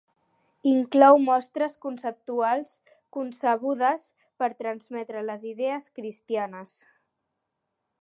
Inclou mostres conceptuals concebudes per transmetre les idees cristianes.